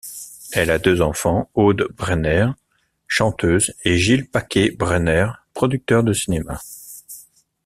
Elle a deux enfants, Aude Brenner, chanteuse, et Gilles Paquet-Brenner, producteur de cinéma.